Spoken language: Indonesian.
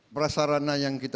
berasal rana yang kita